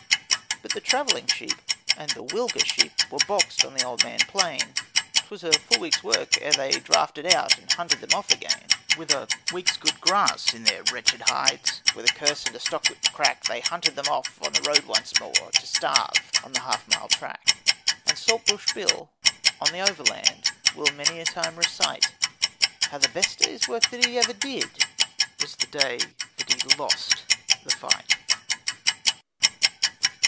But the travelling sheep and the Wilga sheep were boxed on the Old Man Plain. 'Twas a full week's work ere they drafted out and hunted them off again, With a week's good grass in their wretched hides, with a curse and a stockwhip crack, They hunted them off on the road once more to starve on the half mile track. And Saltbush Bill, on the Overland, will many a time recite How the best day's work that ever he did was the day that he lost the fight.